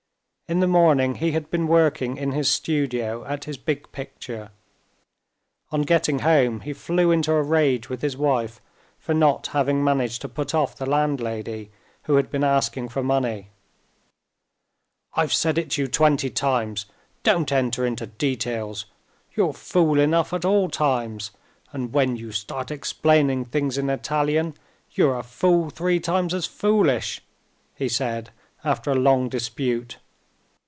In the morning he had been working in his studio at his big picture. On getting home he flew into a rage with his wife for not having managed to put off the landlady, who had been asking for money. "I've said it to you twenty times, don't enter into details. You're fool enough at all times, and when you start explaining things in Italian you're a fool three times as foolish," he said after a long dispute.